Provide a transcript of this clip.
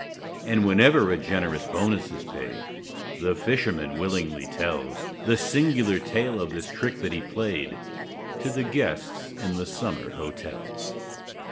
And, whenever a generous bonus is paid, The fisherman willingly tells The singular tale of this trick that he played, To the guests in the summer hotels.